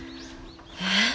えっ？